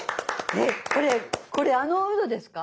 えっこれこれあのウドですか？